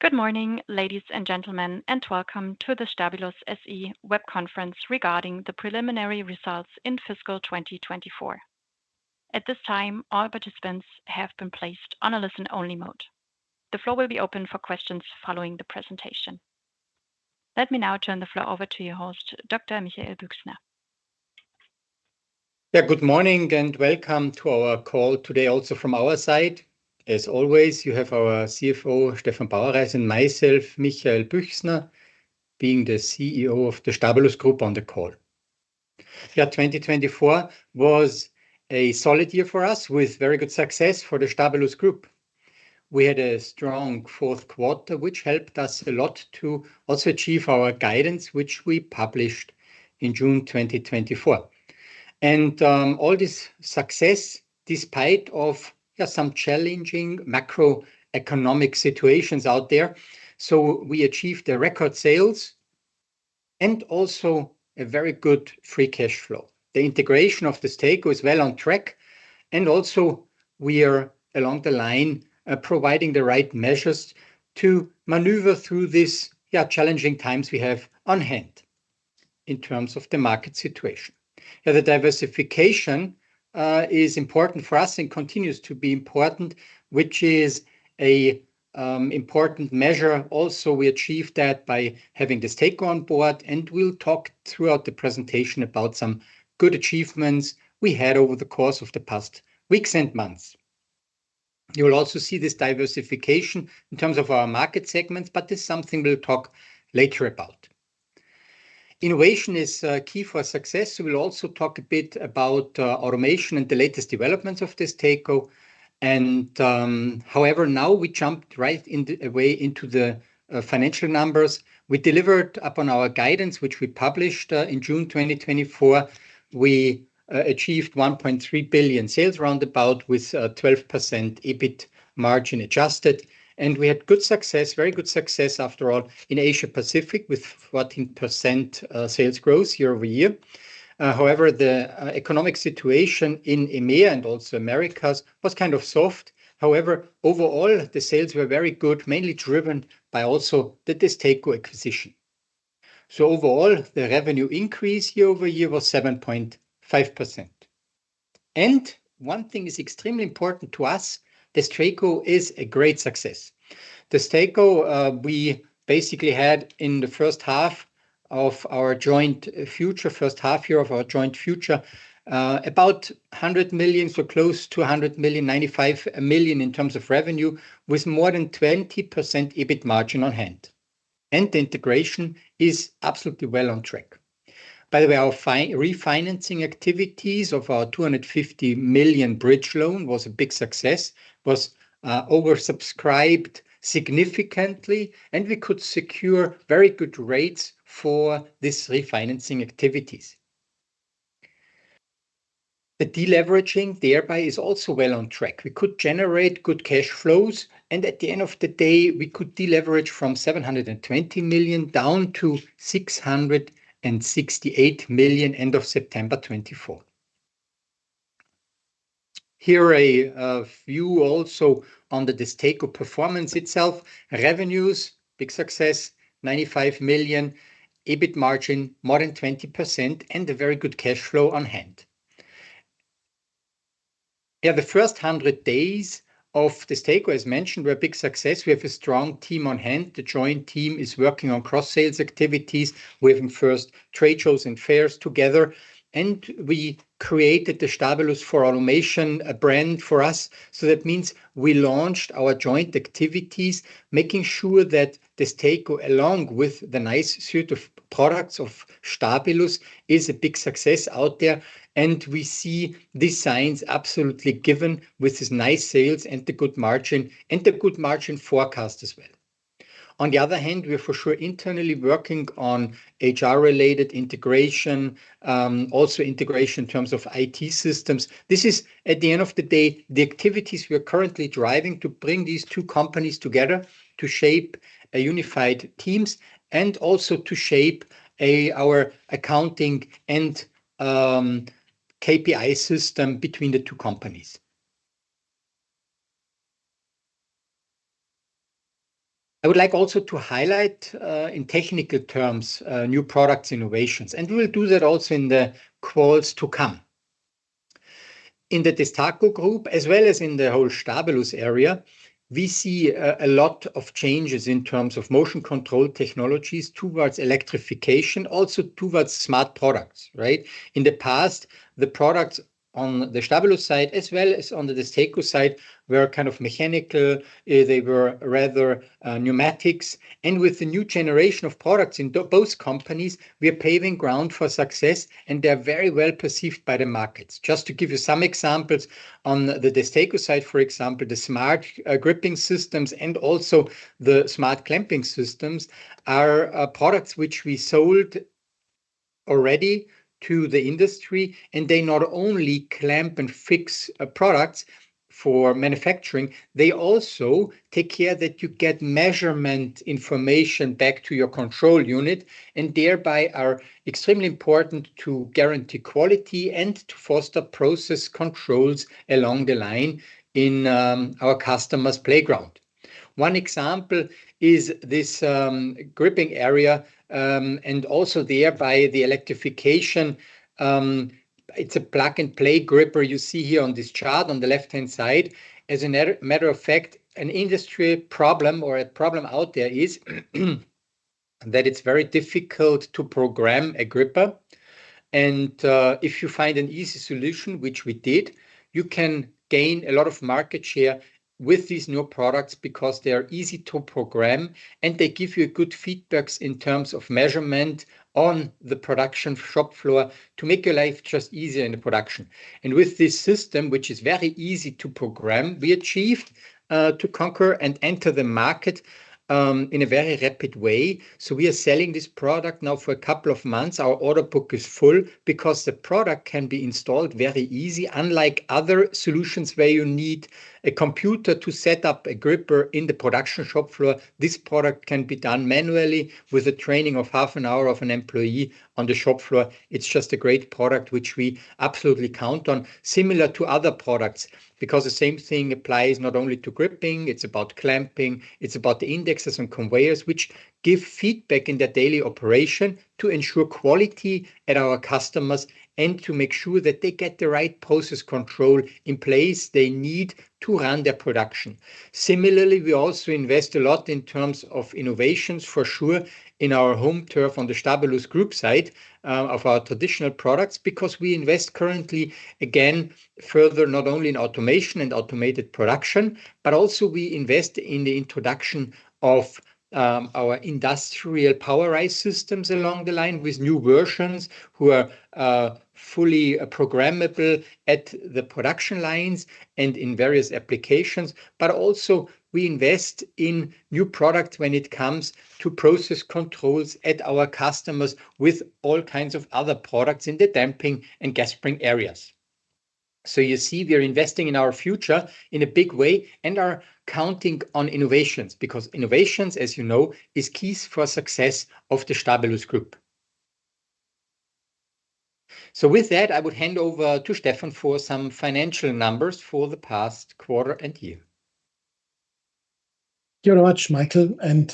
Good morning, ladies and gentlemen, and welcome to the Stabilus SE web conference regarding the preliminary results in fiscal 2024. At this time, all participants have been placed on a listen-only mode. The floor will be open for questions following the presentation. Let me now turn the floor over to your host, Dr. Michael Büchner. Yeah, good morning and welcome to our call today also from our side. As always, you have our CFO, Stefan Bauerreis, and myself, Michael Büchner, being the CEO of the Stabilus Group on the call. Yeah, 2024 was a solid year for us with very good success for the Stabilus Group. We had a strong fourth quarter, which helped us a lot to also achieve our guidance, which we published in June 2024. And all this success, despite some challenging macroeconomic situations out there, so we achieved record sales and also a very good free cash flow. The integration of Destaco was well on track, and also we are along the line providing the right measures to maneuver through these challenging times we have on hand in terms of the market situation. Yeah, the diversification is important for us and continues to be important, which is an important measure. Also, we achieved that by having Destaco on board, and we'll talk throughout the presentation about some good achievements we had over the course of the past weeks and months. You'll also see this diversification in terms of our market segments, but this is something we'll talk later about. Innovation is key for success, so we'll also talk a bit about automation and the latest developments of this takeover. However, now we jumped right away into the financial numbers. We delivered upon our guidance, which we published in June 2024. We achieved 1.3 billion sales roundabout with a 12% EBIT margin adjusted, and we had good success, very good success after all in Asia Pacific with 14% sales growth year over year. However, the economic situation in EMEA and also Americas was kind of soft. However, overall, the sales were very good, mainly driven by also the Destaco acquisition. So overall, the revenue increase year over year was 7.5%. And one thing is extremely important to us: Destaco is a great success. Destaco we basically had in the first half year of our joint future, about 100 million, so close to 100 million, 95 million in terms of revenue, with more than 20% EBIT margin on hand. And the integration is absolutely well on track. By the way, our refinancing activities of our 250 million bridge loan was a big success, was oversubscribed significantly, and we could secure very good rates for this refinancing activities. The deleveraging thereby is also well on track. We could generate good cash flows, and at the end of the day, we could deleverage from 720 million down to 668 million end of September 2024. Here are a few also on the Destaco performance itself. Revenues, big success, 95 million EBIT margin, more than 20%, and a very good cash flow on hand. Yeah, the first 100 days of the Destaco as mentioned were a big success. We have a strong team on hand. The joint team is working on cross-sales activities. We're having first trade shows and fairs together, and we created the Stabilus for Automation brand for us. So that means we launched our joint activities, making sure that this Destaco along with the nice suite of products of Stabilus is a big success out there. And we see these signs absolutely given with this nice sales and the good margin and the good margin forecast as well. On the other hand, we are for sure internally working on HR-related integration, also integration in terms of IT systems. This is, at the end of the day, the activities we are currently driving to bring these two companies together to shape unified teams and also to shape our accounting and KPI system between the two companies. I would like also to highlight in technical terms new products innovations, and we will do that also in the calls to come. In the Destaco Group, as well as in the whole Stabilus area, we see a lot of changes in terms of motion control technologies towards electrification, also towards smart products, right? In the past, the products on the Stabilus side as well as on the Destaco side were kind of mechanical. They were rather pneumatics, and with the new generation of products in both companies, we are paving ground for success, and they're very well perceived by the markets. Just to give you some examples on the Destaco side, for example, the Smart Gripping Systems and also the Smart Clamping Systems are products which we sold already to the industry, and they not only clamp and fix products for manufacturing, they also take care that you get measurement information back to your control unit and thereby are extremely important to guarantee quality and to foster process controls along the line in our customers' playground. One example is this gripping area and also thereby the electrification. It's a Plug and Play Gripper you see here on this chart on the left-hand side. As a matter of fact, an industry problem or a problem out there is that it's very difficult to program a gripper. And if you find an easy solution, which we did, you can gain a lot of market share with these new products because they are easy to program and they give you good feedbacks in terms of measurement on the production shop floor to make your life just easier in the production. And with this system, which is very easy to program, we achieved to conquer and enter the market in a very rapid way. So we are selling this product now for a couple of months. Our order book is full because the product can be installed very easy, unlike other solutions where you need a computer to set up a gripper in the production shop floor. This product can be done manually with a training of half an hour of an employee on the shop floor. It's just a great product which we absolutely count on, similar to other products because the same thing applies not only to gripping. It's about clamping. It's about the indexers and conveyors, which give feedback in their daily operation to ensure quality at our customers and to make sure that they get the right process control in place, they need to run their production. Similarly, we also invest a lot in terms of innovations for sure in our home turf on the Stabilus Group side of our traditional products because we invest currently again further not only in automation and automated production, but also we invest in the introduction of our industrial Powerise systems along the line with new versions who are fully programmable at the production lines and in various applications. But also we invest in new products when it comes to process controls at our customers with all kinds of other products in the damping and gas spring areas. So you see we are investing in our future in a big way and are counting on innovations because innovations, as you know, is key for success of the Stabilus Group. So with that, I would hand over to Stefan for some financial numbers for the past quarter and year. Thank you very much, Michael. And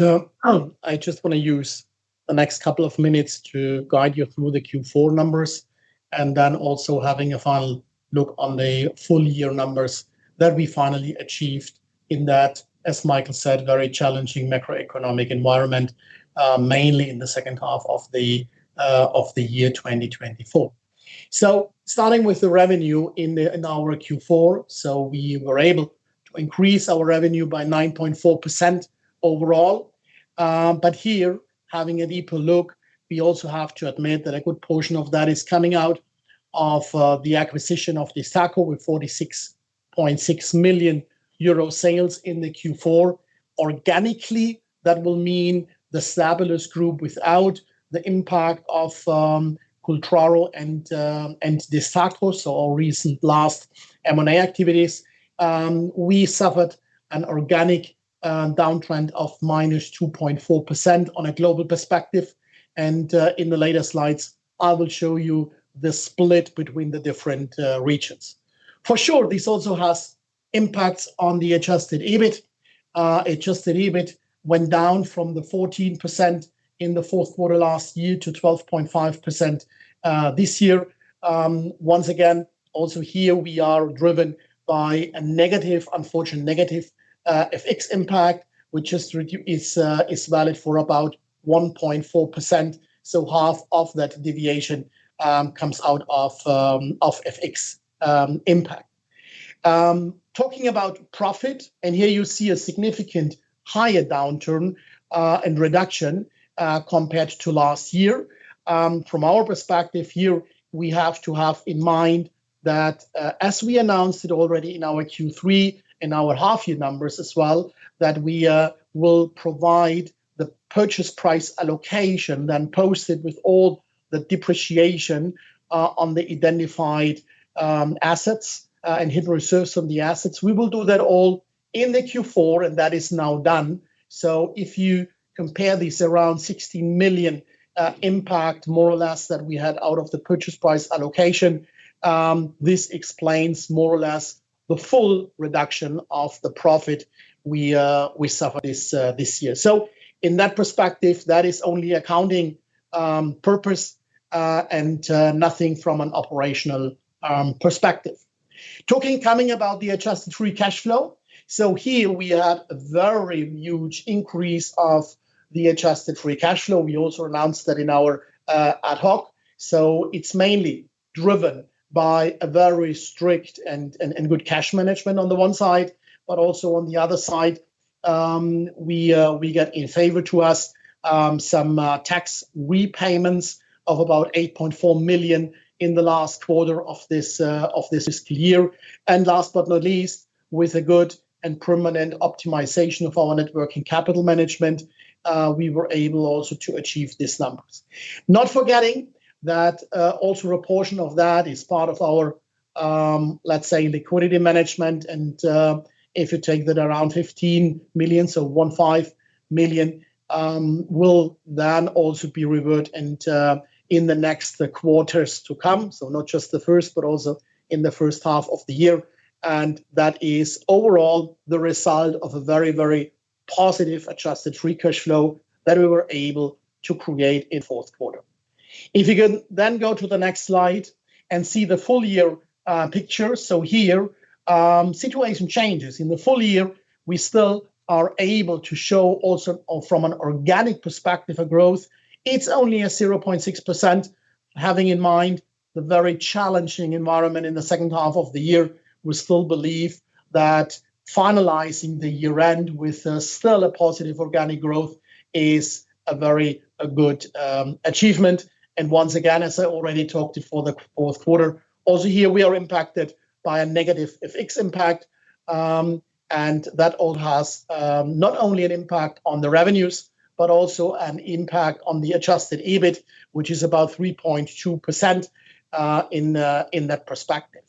I just want to use the next couple of minutes to guide you through the Q4 numbers and then also having a final look on the full year numbers that we finally achieved in that, as Michael said, very challenging macroeconomic environment, mainly in the second half of the year 2024. So starting with the revenue in our Q4, so we were able to increase our revenue by 9.4% overall. But here, having a deeper look, we also have to admit that a good portion of that is coming out of the acquisition of Destaco with 46.6 million euro sales in the Q4. Organically, that will mean the Stabilus Group without the impact of Cultraro and Destaco, so our recent last M&A activities, we suffered an organic downtrend of minus 2.4% on a global perspective. In the later slides, I will show you the split between the different regions. For sure, this also has impacts on the Adjusted EBIT. Adjusted EBIT went down from the 14% in the fourth quarter last year to 12.5% this year. Once again, also here we are driven by a negative, unfortunate negative FX impact, which is valid for about 1.4%. So half of that deviation comes out of FX impact. Talking about profit, and here you see a significant higher downturn and reduction compared to last year. From our perspective here, we have to have in mind that as we announced it already in our Q3, in our half-year numbers as well, that we will provide the purchase price allocation then posted with all the depreciation on the identified assets and hidden reserves on the assets. We will do that all in the Q4, and that is now done, so if you compare this, around 16 million impact more or less that we had out of the purchase price allocation, this explains more or less the full reduction of the profit we suffered this year, so in that perspective, that is only accounting purpose and nothing from an operational perspective. Talking about the adjusted free cash flow, so here we had a very huge increase of the adjusted free cash flow. We also announced that in our ad hoc, so it's mainly driven by a very strict and good cash management on the one side, but also on the other side, we got in favor to us some tax repayments of about 8.4 million in the last quarter of this year. And last but not least, with a good and permanent optimization of our net working capital management, we were able also to achieve these numbers. Not forgetting that also a portion of that is part of our, let's say, liquidity management. And if you take that around 15 million, so 1.5 million, will then also be reverted in the next quarters to come. So not just the first, but also in the first half of the year. And that is overall the result of a very, very positive adjusted free cash flow that we were able to create in the fourth quarter. If you can then go to the next slide and see the full year picture. So here, situation changes. In the full year, we still are able to show also from an organic perspective of growth. It's only a 0.6%. Having in mind the very challenging environment in the second half of the year, we still believe that finalizing the year-end with still a positive organic growth is a very good achievement. Once again, as I already talked before the fourth quarter, also here we are impacted by a negative FX impact. That all has not only an impact on the revenues, but also an impact on the adjusted EBIT, which is about 3.2% in that perspective.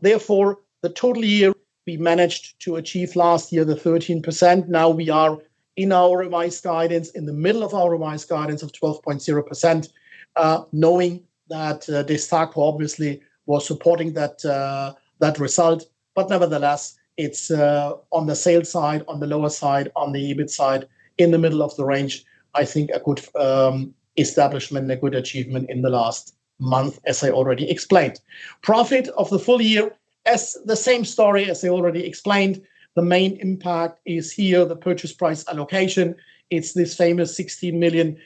Therefore, the total year we managed to achieve last year, the 13%. Now we are in our revised guidance, in the middle of our revised guidance of 12.0%, knowing that Destaco obviously was supporting that result. But nevertheless, it's on the sales side, on the lower side, on the EBIT side, in the middle of the range. I think a good establishment and a good achievement in the last month, as I already explained. Profit for the full year, it's the same story as I already explained. The main impact is here the purchase price allocation. It's this famous 16 million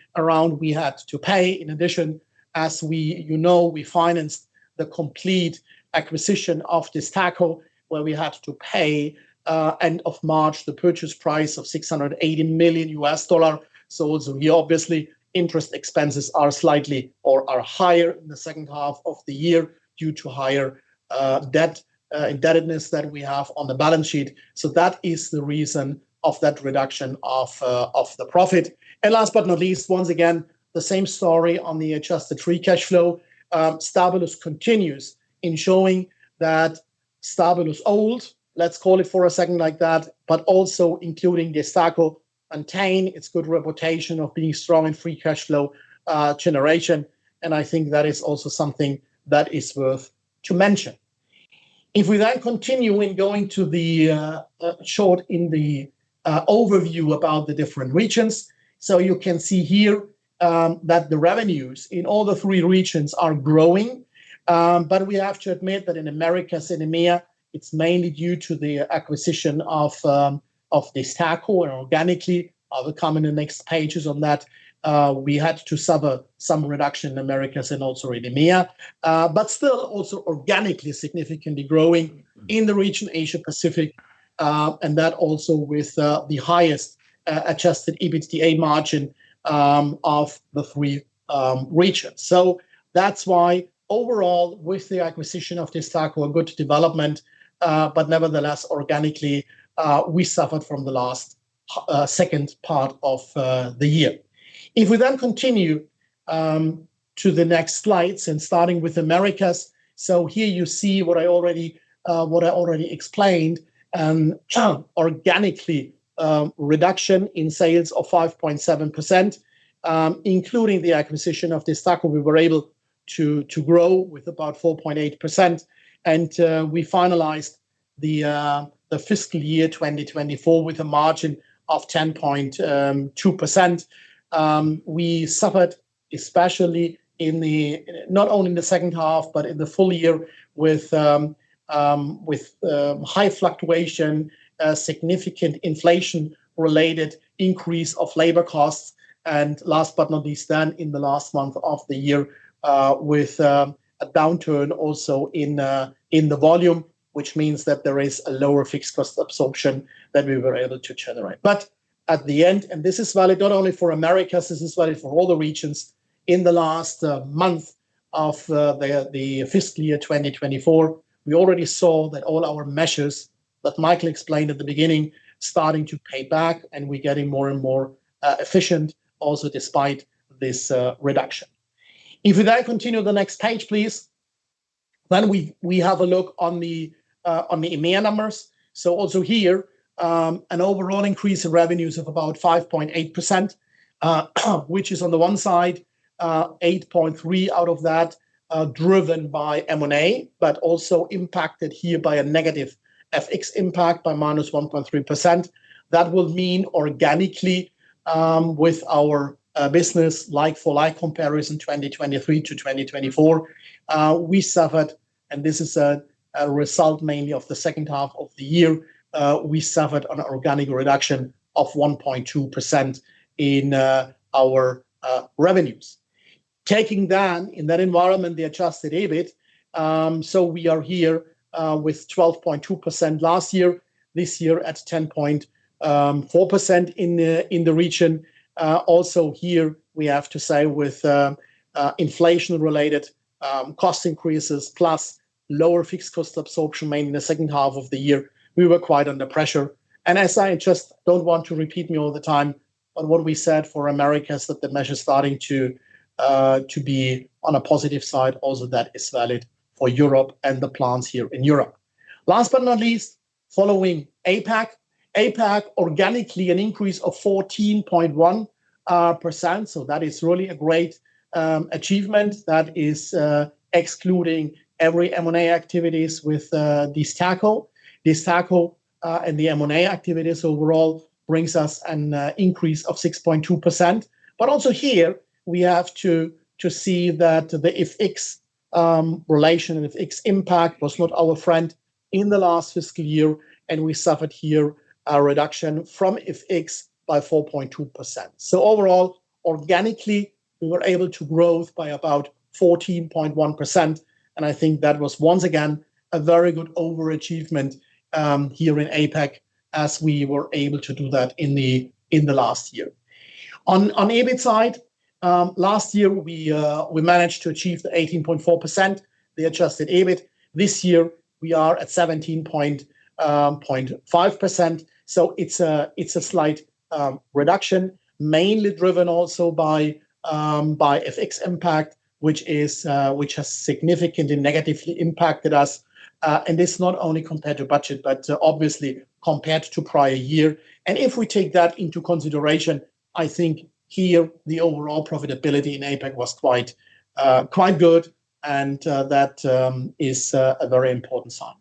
we had to pay in addition, as you know. We financed the complete acquisition of Destaco, where we had to pay end of March the purchase price of $680 million. So obviously, interest expenses are slightly higher in the second half of the year due to higher debt indebtedness that we have on the balance sheet. So that is the reason of that reduction of the profit. And last but not least, once again, the same story on the adjusted free cash flow. Stabilus continues in showing that Stabilus, old, let's call it for a second like that, but also including Destaco and then, its good reputation of being strong in free cash flow generation. And I think that is also something that is worth to mention. If we then continue in going to the short in the overview about the different regions, so you can see here that the revenues in all the three regions are growing. But we have to admit that in Americas and EMEA, it's mainly due to the acquisition of Destaco and organically, I'll come in the next pages on that. We had to suffer some reduction in Americas and also in EMEA, but still also organically significantly growing in the region, Asia-Pacific, and that also with the highest adjusted EBITDA margin of the three regions, so that's why overall with the acquisition of Destaco, a good development, but nevertheless, organically, we suffered from the last second part of the year. If we then continue to the next slides and starting with Americas, so here you see what I already explained, organically reduction in sales of 5.7%, including the acquisition of Destaco, we were able to grow with about 4.8%, and we finalized the fiscal year 2024 with a margin of 10.2%. We suffered especially not only in the second half, but in the full year with high fluctuation, significant inflation-related increase of labor costs. Last but not least, then in the last month of the year with a downturn also in the volume, which means that there is a lower fixed cost absorption that we were able to generate. At the end, and this is valid not only for Americas, this is valid for all the regions in the last month of the fiscal year 2024, we already saw that all our measures that Michael explained at the beginning starting to pay back and we're getting more and more efficient also despite this reduction. If we then continue to the next page, please, then we have a look on the EMEA numbers. Also here, an overall increase in revenues of about 5.8%, which is on the one side 8.3% out of that driven by M&A, but also impacted here by a negative FX impact by minus 1.3%. That will mean organically with our business, like-for-like comparison 2023 to 2024, we suffered, and this is a result mainly of the second half of the year. We suffered an organic reduction of 1.2% in our revenues. Taking then in that environment the adjusted EBIT, so we are here with 12.2% last year, this year at 10.4% in the region. Also here, we have to say with inflation-related cost increases plus lower fixed cost absorption mainly in the second half of the year, we were quite under pressure. As I just don't want to repeat me all the time on what we said for Americas that the measure is starting to be on a positive side, also that is valid for Europe and the plans here in Europe. Last but not least, following APAC, APAC organically an increase of 14.1%. That is really a great achievement that is excluding every M&A activities with Destaco. Destaco and the M&A activities overall brings us an increase of 6.2%. But also here, we have to see that the FX relation and FX impact was not our friend in the last fiscal year, and we suffered here a reduction from FX by 4.2%. So overall, organically, we were able to grow by about 14.1%. And I think that was once again a very good overachievement here in APAC as we were able to do that in the last year. On EBIT side, last year, we managed to achieve the 18.4%, the adjusted EBIT. This year, we are at 17.5%. So it's a slight reduction, mainly driven also by FX impact, which has significantly negatively impacted us. And this not only compared to budget, but obviously compared to prior year. And if we take that into consideration, I think here the overall profitability in APAC was quite good, and that is a very important sign.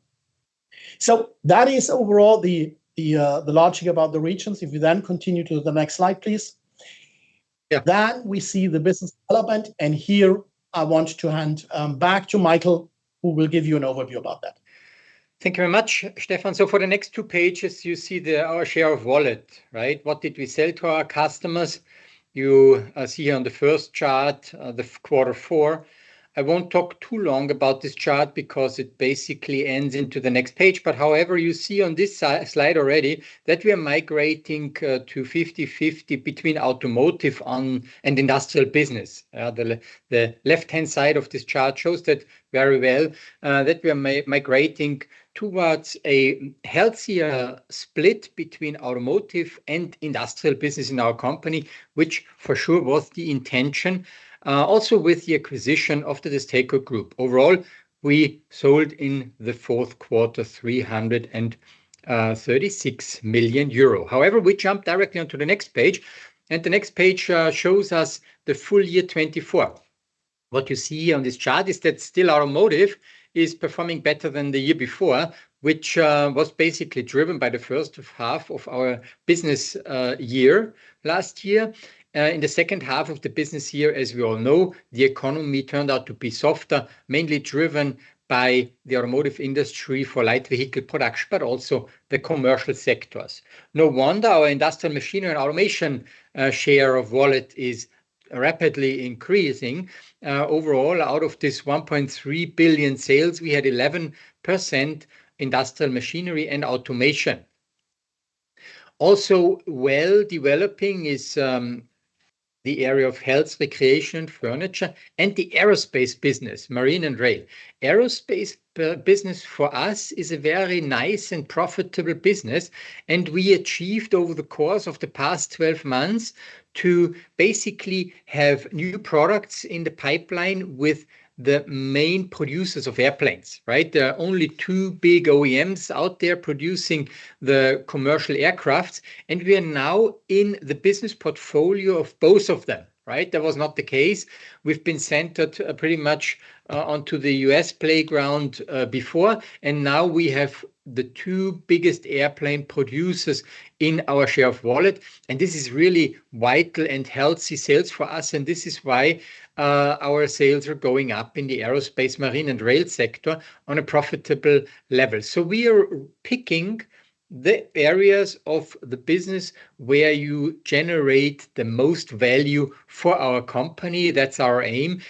So that is overall the logic about the regions. If we then continue to the next slide, please. Then we see the business development. And here, I want to hand back to Michael, who will give you an overview about that. Thank you very much, Stefan. So for the next two pages, you see our share of wallet, right? What did we sell to our customers? You see here on the first chart, the quarter four. I won't talk too long about this chart because it basically ends into the next page. But however, you see on this slide already that we are migrating to 50-50 between automotive and industrial business. The left-hand side of this chart shows that very well that we are migrating towards a healthier split between automotive and industrial business in our company, which for sure was the intention. Also with the acquisition of the Destaco Group. Overall, we sold in the fourth quarter 336 million euro. However, we jump directly onto the next page, and the next page shows us the full year 2024. What you see here on this chart is that still automotive is performing better than the year before, which was basically driven by the first half of our business year last year. In the second half of the business year, as we all know, the economy turned out to be softer, mainly driven by the automotive industry for light vehicle production, but also the commercial sectors. No wonder our industrial machinery and automation share of wallet is rapidly increasing. Overall, out of this 1.3 billion sales, we had 11% industrial machinery and automation. Also well developing is the area of health, recreation, furniture, and the aerospace business, marine and rail. Aerospace business for us is a very nice and profitable business. And we achieved over the course of the past 12 months to basically have new products in the pipeline with the main producers of airplanes, right? There are only two big OEMs out there producing the commercial aircraft. And we are now in the business portfolio of both of them, right? That was not the case. We've been centered pretty much onto the U.S. playground before. And now we have the two biggest airplane producers in our share of wallet. And this is really vital and healthy sales for us. This is why our sales are going up in the aerospace, marine, and rail sector on a profitable level. We are picking the areas of the business where you generate the most value for our company. That's our aim.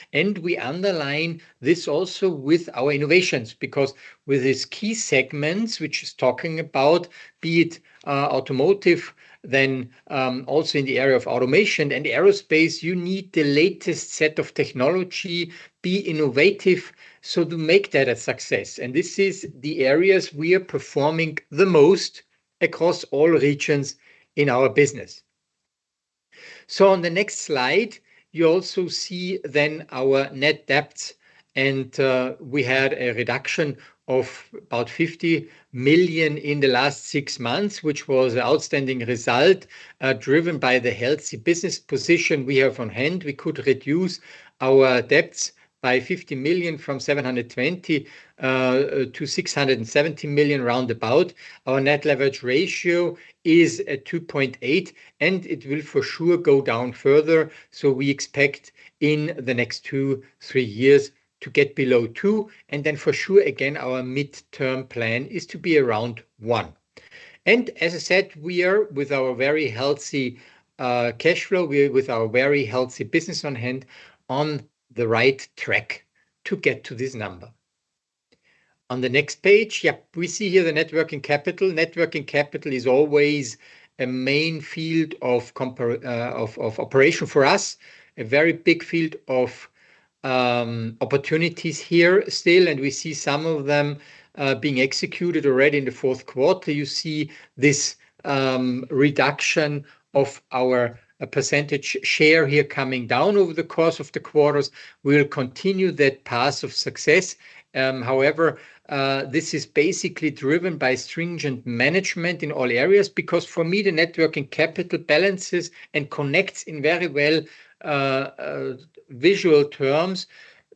We underline this also with our innovations because with these key segments, which is talking about be it automotive, then also in the area of automation and aerospace, you need the latest set of technology, be innovative so to make that a success. This is the areas we are performing the most across all regions in our business. On the next slide, you also see then our net debt. We had a reduction of about 50 million in the last six months, which was an outstanding result driven by the healthy business position we have on hand. We could reduce our debts by 50 million from 720 million to 670 million roundabout. Our net leverage ratio is at 2.8, and it will for sure go down further. We expect in the next two, three years to get below two. Then for sure, again, our midterm plan is to be around one. And as I said, we are with our very healthy cash flow, with our very healthy business on hand on the right track to get to this number. On the next page, yep, we see here the net working capital. Net working capital is always a main field of operation for us, a very big field of opportunities here still. And we see some of them being executed already in the fourth quarter. You see this reduction of our percentage share here coming down over the course of the quarters. We will continue that path of success. However, this is basically driven by stringent management in all areas because for me, the net working capital balances and connects in very well visual terms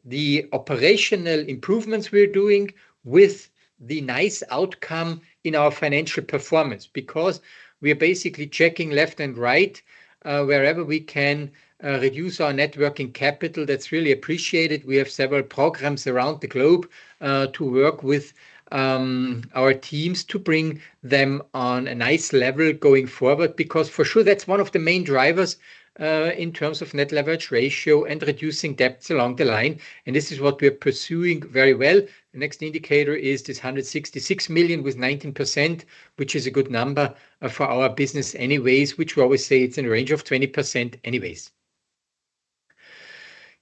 the operational improvements we're doing with the nice outcome in our financial performance because we are basically checking left and right wherever we can reduce our net working capital. That's really appreciated. We have several programs around the globe to work with our teams to bring them on a nice level going forward because for sure, that's one of the main drivers in terms of net leverage ratio and reducing debts along the line, and this is what we are pursuing very well. The next indicator is this 166 million with 19%, which is a good number for our business anyways, which we always say it's in the range of 20% anyways.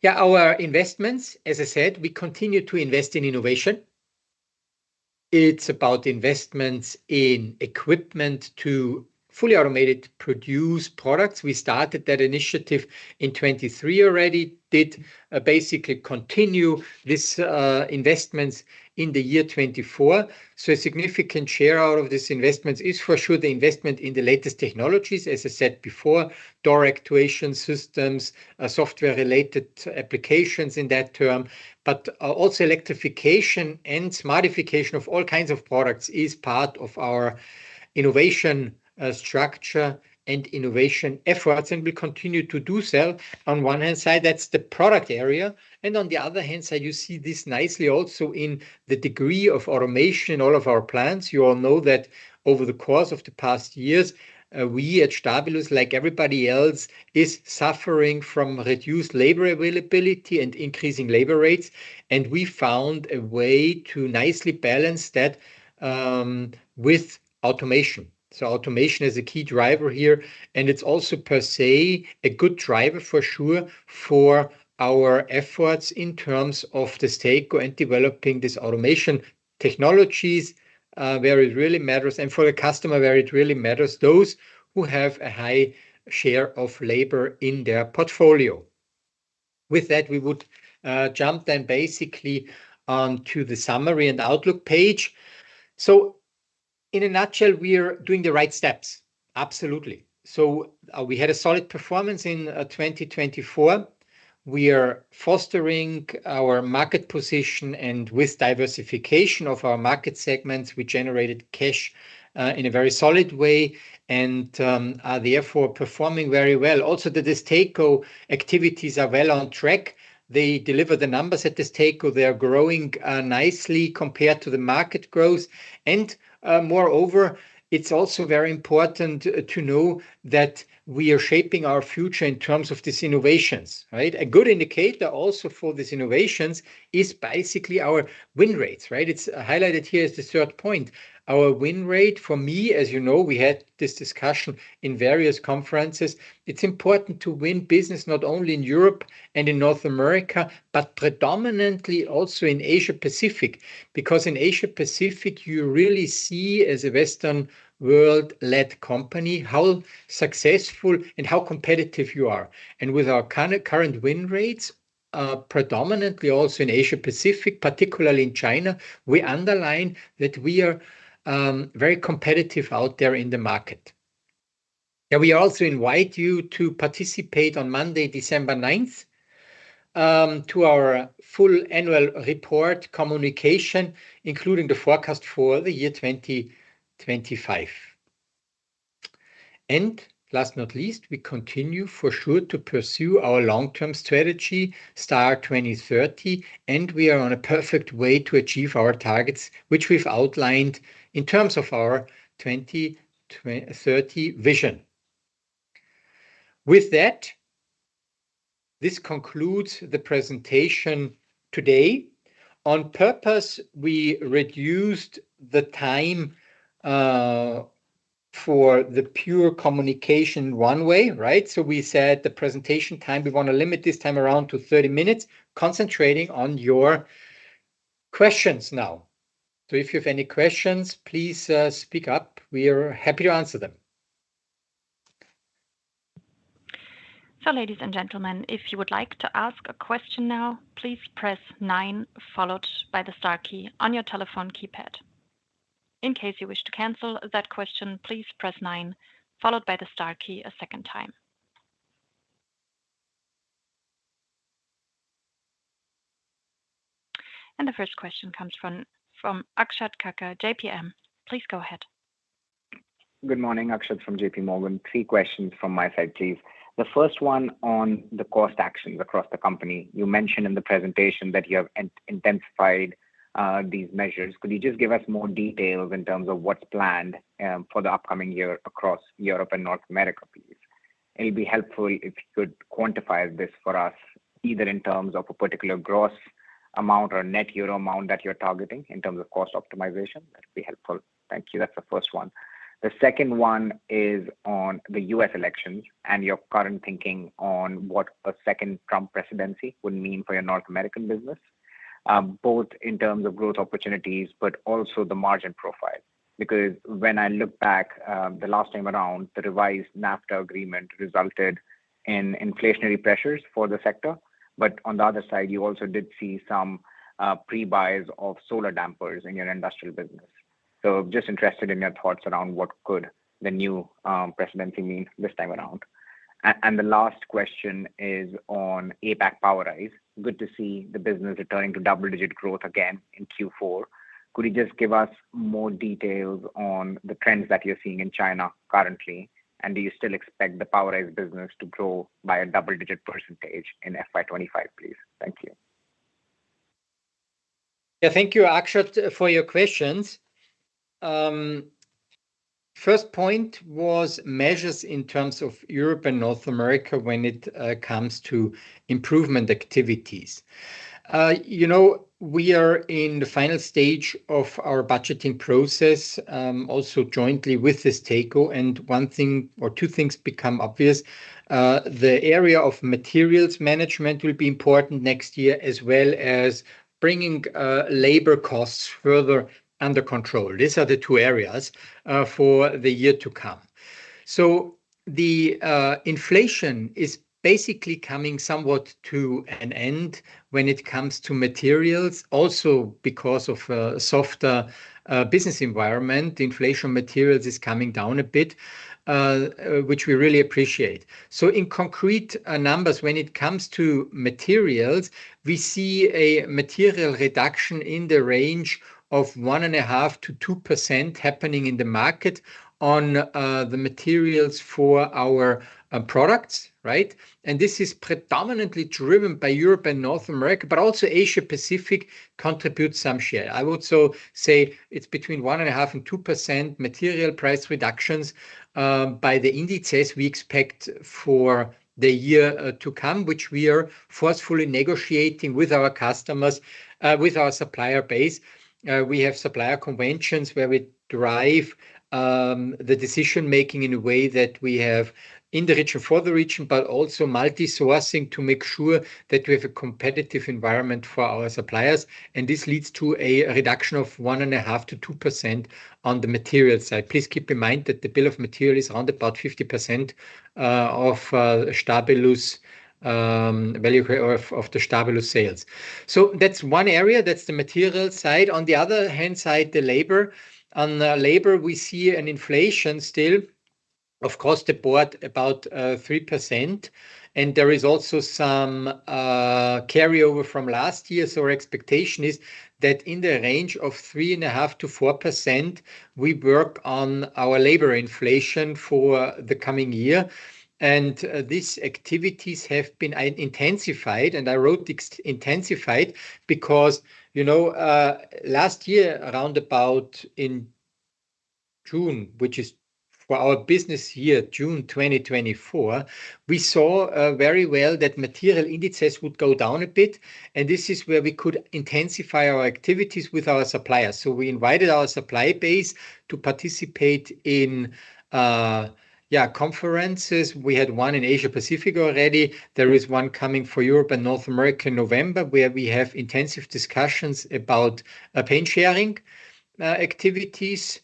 Yeah, our investments, as I said, we continue to invest in innovation. It's about investments in equipment to fully automate production of products. We started that initiative in 2023 already and basically continued these investments in the year 2024. A significant share out of these investments is for sure the investment in the latest technologies, as I said before: door actuation systems, software-related applications in that regard, but also electrification and modification of all kinds of products is part of our innovation structure and innovation efforts. We continue to do so. On one hand side, that's the product area. On the other hand side, you see this nicely also in the degree of automation in all of our plants. You all know that over the course of the past years, we at Stabilus, like everybody else, is suffering from reduced labor availability and increasing labor rates. We found a way to nicely balance that with automation. Automation is a key driver here. And it's also per se a good driver for sure for our efforts in terms of Destaco and developing these automation technologies where it really matters and for the customer where it really matters, those who have a high share of labor in their portfolio. With that, we would jump then basically onto the summary and outlook page. In a nutshell, we are doing the right steps. Absolutely. We had a solid performance in 2024. We are fostering our market position, and with diversification of our market segments, we generated cash in a very solid way and are therefore performing very well. Also, the Destaco activities are well on track. They deliver the numbers at Destaco. They are growing nicely compared to the market growth. Moreover, it's also very important to know that we are shaping our future in terms of these innovations, right? A good indicator also for these innovations is basically our win rates, right? It's highlighted here as the third point. Our win rate for me, as you know, we had this discussion in various conferences. It's important to win business not only in Europe and in North America, but predominantly also in Asia-Pacific because in Asia-Pacific, you really see as a Western world-led company how successful and how competitive you are. And with our current win rates, predominantly also in Asia-Pacific, particularly in China, we underline that we are very competitive out there in the market. Yeah, we also invite you to participate on Monday, December 9th, to our full annual report communication, including the forecast for the year 2025. Last but not least, we continue for sure to pursue our long-term strategy, STAR 2030, and we are on a perfect way to achieve our targets, which we've outlined in terms of our 2030 vision. With that, this concludes the presentation today. On purpose, we reduced the time for the pure communication one way, right? So we said the presentation time, we want to limit this time around to 30 minutes, concentrating on your questions now. So if you have any questions, please speak up. We are happy to answer them. So, ladies and gentlemen, if you would like to ask a question now, please press nine, followed by the star key on your telephone keypad. In case you wish to cancel that question, please press nine, followed by the star key a second time. And the first question comes from Akshat Kacker, J.P. Morgan. Please go ahead. Good morning, Akshat from JPMorgan. Three questions from my side, please. The first one on the cost actions across the company. You mentioned in the presentation that you have intensified these measures. Could you just give us more details in terms of what's planned for the upcoming year across Europe and North America, please? It'll be helpful if you could quantify this for us, either in terms of a particular gross amount or net euro amount that you're targeting in terms of cost optimization. That'd be helpful. Thank you. That's the first one. The second one is on the U.S. elections and your current thinking on what a second Trump presidency would mean for your North American business, both in terms of growth opportunities, but also the margin profile. Because when I look back the last time around, the revised NAFTA agreement resulted in inflationary pressures for the sector. But on the other side, you also did see some pre-buys of rotary dampers in your industrial business. So just interested in your thoughts around what could the new presidency mean this time around. And the last question is on APAC POWERISE. Good to see the business returning to double-digit growth again in Q4. Could you just give us more details on the trends that you're seeing in China currently? And do you still expect the POWERISE business to grow by a double-digit percentage in FY25, please? Thank you. Yeah, thank you, Akshat, for your questions. First point was measures in terms of Europe and North America when it comes to improvement activities. We are in the final stage of our budgeting process, also jointly with Destaco. And one thing or two things become obvious. The area of materials management will be important next year, as well as bringing labor costs further under control. These are the two areas for the year to come. So the inflation is basically coming somewhat to an end when it comes to materials, also because of a softer business environment. The inflation of materials is coming down a bit, which we really appreciate. So in concrete numbers, when it comes to materials, we see a material reduction in the range of 1.5%-2% happening in the market on the materials for our products, right? And this is predominantly driven by Europe and North America, but also Asia-Pacific contributes some share. I would also say it's between one and a half and 2% material price reductions by the indices we expect for the year to come, which we are forcefully negotiating with our customers, with our supplier base. We have supplier conventions where we drive the decision-making in a way that we have in the region for the region, but also multi-sourcing to make sure that we have a competitive environment for our suppliers. And this leads to a reduction of one and a half to 2% on the material side. Please keep in mind that the bill of material is around about 50% of Stabilus' value of the Stabilus sales. So that's one area. That's the material side. On the other hand side, the labor. On labor, we see inflation still, of course, broadly about 3%. And there is also some carryover from last year. Our expectation is that in the range of 3.5%-4%, we work on our labor inflation for the coming year. These activities have been intensified. I wrote intensified because last year, around about in June, which is for our business year, June 2024, we saw very well that material indices would go down a bit. This is where we could intensify our activities with our suppliers. We invited our supply base to participate in, yeah, conferences. We had one in Asia-Pacific already. There is one coming for Europe and North America in November, where we have intensive discussions about pain sharing activities.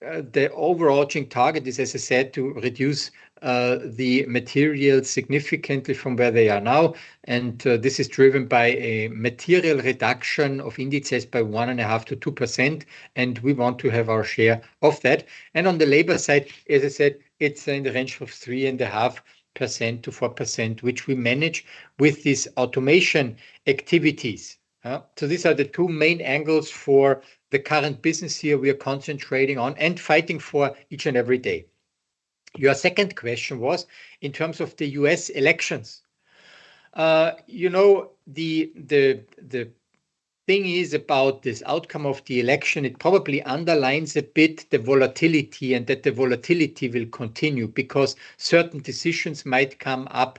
The overarching target is, as I said, to reduce the materials significantly from where they are now. This is driven by a material reduction of indices by 1.5%-2%. And we want to have our share of that. And on the labor side, as I said, it's in the range of 3.5%-4%, which we manage with these automation activities. So these are the two main angles for the current business year we are concentrating on and fighting for each and every day. Your second question was in terms of the U.S. elections. The thing is about this outcome of the election. It probably underlines a bit the volatility and that the volatility will continue because certain decisions might come up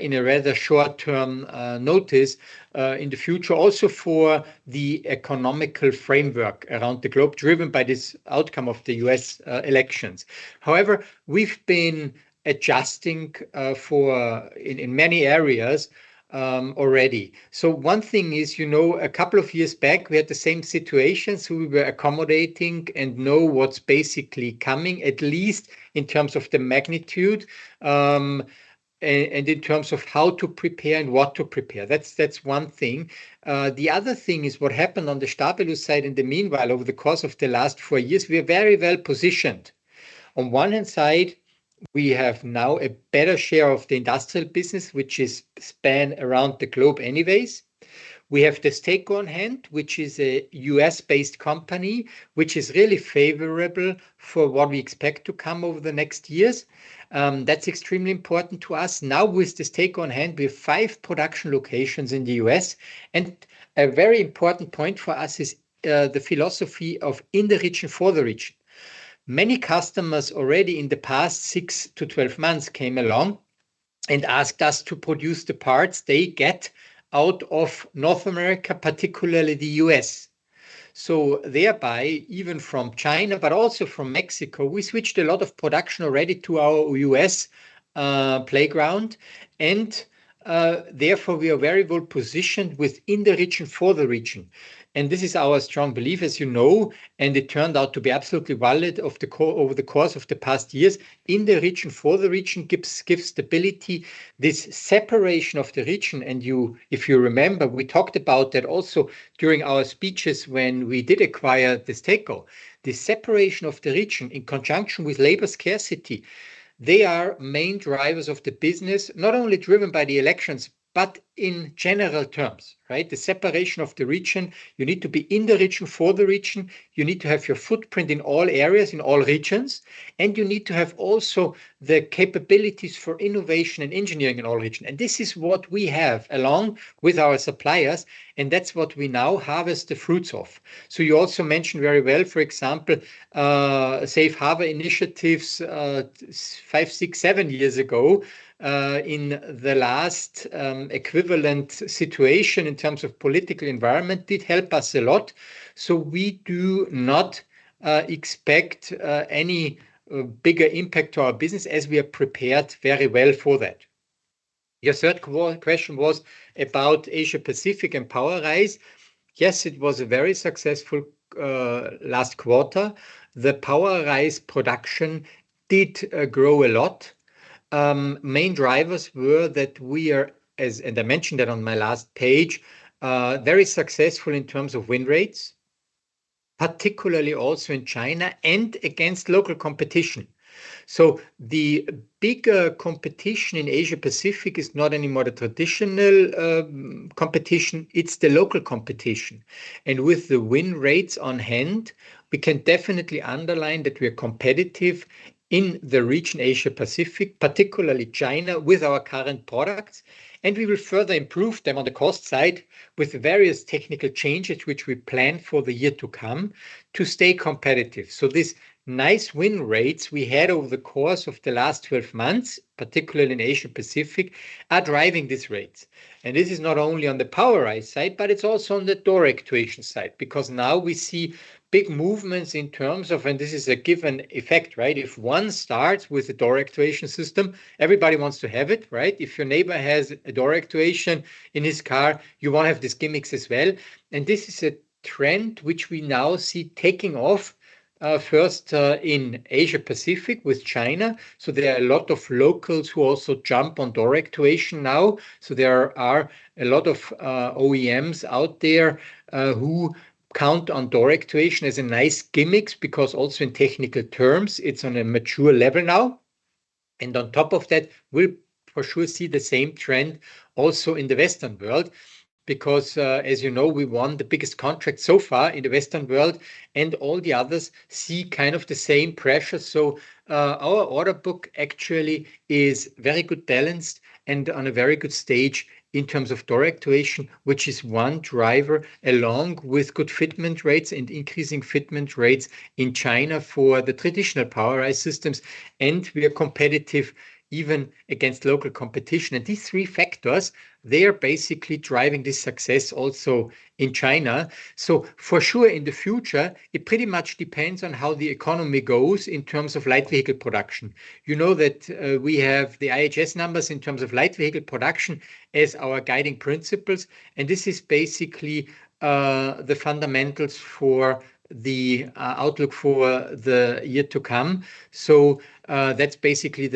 in a rather short-term notice in the future, also for the economical framework around the globe driven by this outcome of the U.S. elections. However, we've been adjusting in many areas already. So one thing is, a couple of years back, we had the same situation. We were accommodating and know what's basically coming, at least in terms of the magnitude and in terms of how to prepare and what to prepare. That's one thing. The other thing is what happened on the Stabilus side in the meanwhile, over the course of the last four years. We are very well positioned. On one hand side, we have now a better share of the industrial business, which spans around the globe anyways. We have Destaco, which is a U.S.-based company, which is really favorable for what we expect to come over the next years. That's extremely important to us. Now, with Destaco, we have five production locations in the U.S. A very important point for us is the philosophy of in the region for the region. Many customers already in the past six to 12 months came along and asked us to produce the parts they get out of North America, particularly the U.S. So thereby, even from China, but also from Mexico, we switched a lot of production already to our U.S. plant. And therefore, we are very well positioned within the region for the region. And this is our strong belief, as you know, and it turned out to be absolutely valid over the course of the past years. In the region for the region gives stability, this separation of the region. And if you remember, we talked about that also during our speeches when we did acquire Destaco. The separation of the region in conjunction with labor scarcity, they are main drivers of the business, not only driven by the elections, but in general terms, right? The separation of the region. You need to be in the region for the region. You need to have your footprint in all areas, in all regions, and you need to have also the capabilities for innovation and engineering in all regions, and this is what we have along with our suppliers, and that's what we now harvest the fruits of. So you also mentioned very well, for example, safe harbor initiatives five, six, seven years ago. In the last equivalent situation in terms of political environment, that did help us a lot, so we do not expect any bigger impact to our business as we are prepared very well for that. Your third question was about Asia-Pacific and POWERISE. Yes, it was a very successful last quarter. The POWERISE production did grow a lot. Main drivers were that we are, and I mentioned that on my last page, very successful in terms of win rates, particularly also in China and against local competition. So the bigger competition in Asia-Pacific is not anymore the traditional competition. It's the local competition. And with the win rates on hand, we can definitely underline that we are competitive in the region, Asia-Pacific, particularly China with our current products. And we will further improve them on the cost side with various technical changes, which we plan for the year to come to stay competitive. So these nice win rates we had over the course of the last 12 months, particularly in Asia-Pacific, are driving these rates. This is not only on the POWERISE side, but it's also on the door actuation side because now we see big movements in terms of, and this is a given effect, right? If one starts with a door actuation system, everybody wants to have it, right? If your neighbor has a door actuation in his car, you want to have these gimmicks as well. And this is a trend which we now see taking off first in Asia-Pacific with China. So there are a lot of locals who also jump on door actuation now. So there are a lot of OEMs out there who count on door actuation as a nice gimmick because also in technical terms, it's on a mature level now. On top of that, we'll for sure see the same trend also in the Western world because, as you know, we won the biggest contract so far in the Western world, and all the others see kind of the same pressure. Our order book actually is very good balanced and on a very good stage in terms of door actuation, which is one driver along with good fitment rates and increasing fitment rates in China for the traditional POWERISE systems. We are competitive even against local competition. These three factors, they are basically driving this success also in China. In the future, it pretty much depends on how the economy goes in terms of light vehicle production. You know that we have the IHS numbers in terms of light vehicle production as our guiding principles. This is basically the fundamentals for the outlook for the year to come. So that's basically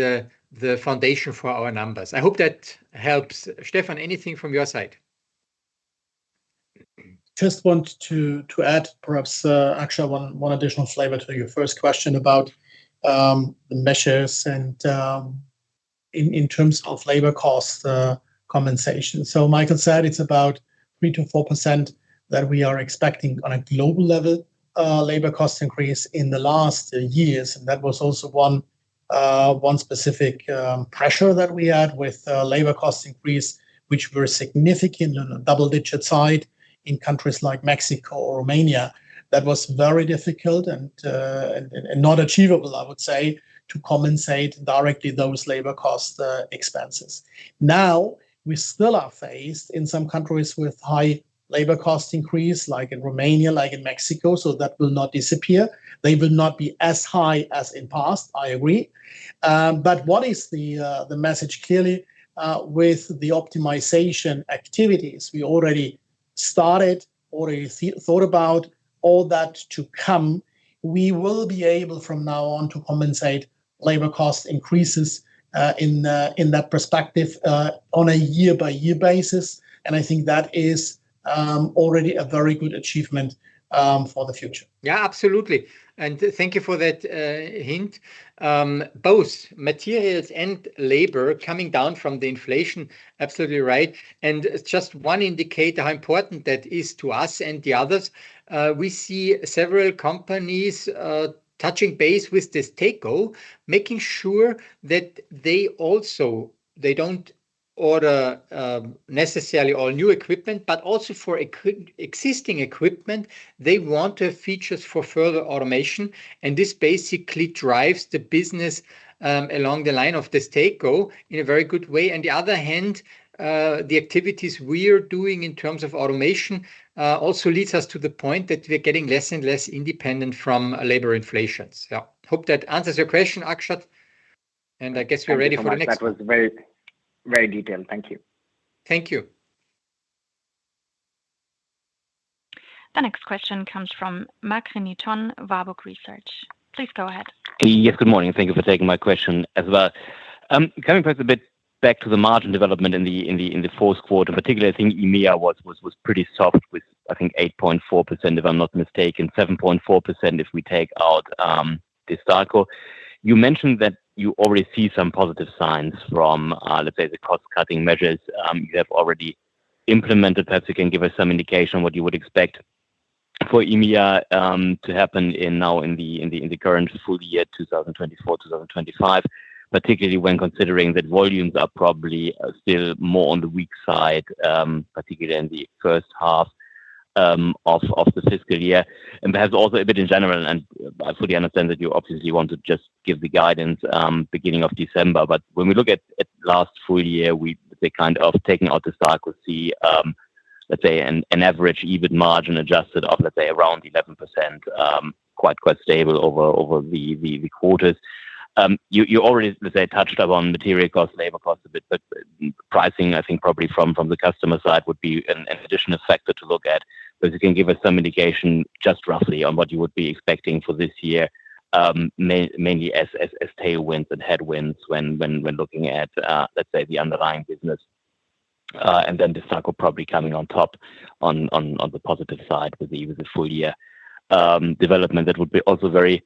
the foundation for our numbers. I hope that helps. Stefan, anything from your side? Just want to add, perhaps, Akshat, one additional flavor to your first question about the measures and in terms of labor cost compensation. So Michael said it's about 3%-4% that we are expecting on a global level labor cost increase in the last years. And that was also one specific pressure that we had with labor cost increase, which were significant on a double-digit side in countries like Mexico or Romania. That was very difficult and not achievable, I would say, to compensate directly those labor cost expenses. Now, we still are faced in some countries with high labor cost increase, like in Romania, like in Mexico. So that will not disappear. They will not be as high as in the past, I agree. But what is the message clearly with the optimization activities? We already started, already thought about all that to come. We will be able from now on to compensate labor cost increases in that perspective on a year-by-year basis. And I think that is already a very good achievement for the future. Yeah, absolutely. And thank you for that hint. Both materials and labor coming down from the inflation, absolutely right. And just one indicator how important that is to us and the others. We see several companies touching base with this takeover, making sure that they also, they don't order necessarily all new equipment, but also for existing equipment, they want to have features for further automation. And this basically drives the business along the line of this takeover in a very good way. On the other hand, the activities we are doing in terms of automation also leads us to the point that we're getting less and less independent from labor inflations. Yeah, hope that answers your question, Akshat, and I guess we're ready for the next. That was very detailed. Thank you. Thank you. The next question comes from Marc-René Tonn, Warburg Research. Please go ahead. es, good morning. Thank you for taking my question as well. Coming first a bit back to the margin development in the fourth quarter, particularly I think EMEA was pretty soft with, I think, 8.4%, if I'm not mistaken, 7.4% if we take out the Destaco. You mentioned that you already see some positive signs from, let's say, the cost-cutting measures you have already implemented. Perhaps you can give us some indication of what you would expect for EMEA to happen now in the current full year, 2024-2025, particularly when considering that volumes are probably still more on the weak side, particularly in the first half of the fiscal year, and perhaps also a bit in general, and I fully understand that you obviously want to just give the guidance beginning of December, but when we look at last full year, we're kind of taking out the Destaco to see, let's say, an average EBIT margin adjusted of, let's say, around 11%, quite stable over the quarters. You already, let's say, touched upon material costs, labor costs a bit, but pricing, I think, probably from the customer side would be an additional factor to look at. But if you can give us some indication just roughly on what you would be expecting for this year, mainly as tailwinds and headwinds when looking at, let's say, the underlying business. And then the Destaco probably coming on top on the positive side with the full year development. That would be also very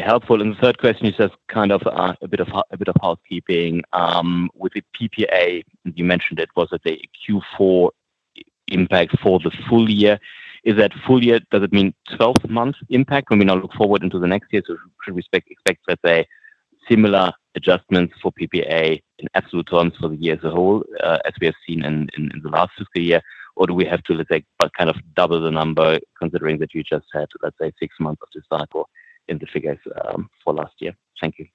helpful. And the third question is just kind of a bit of housekeeping. With the PPA, you mentioned it was a Q4 impact for the full year. Is that full year, does it mean 12-month impact when we now look forward into the next year? So should we expect, let's say, similar adjustments for PPA in absolute terms for the year as a whole, as we have seen in the last fiscal year? Or do we have to, let's say, kind of double the number considering that you just had, let's say, six months of Destaco in the figures for last year? Thank you.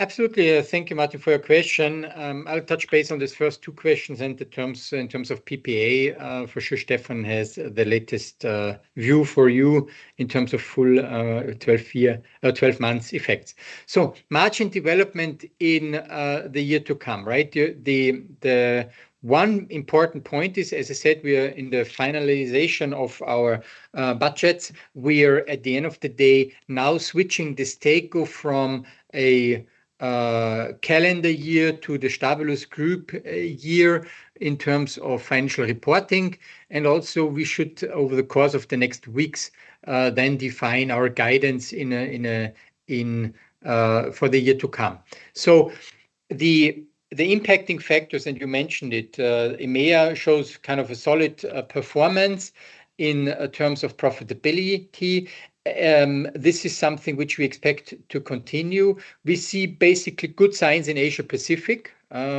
Absolutely. Thank you, Martin, for your question. I'll touch base on these first two questions in terms of PPA. For sure, Stefan has the latest view for you in terms of full 12-month effects. So margin development in the year to come, right? The one important point is, as I said, we are in the finalization of our budgets. We are, at the end of the day, now switching Destaco from a calendar year to the Stabilus Group year in terms of financial reporting. And also, we should, over the course of the next weeks, then define our guidance for the year to come. So the impacting factors, and you mentioned it, EMEA shows kind of a solid performance in terms of profitability. This is something which we expect to continue. We see basically good signs in Asia-Pacific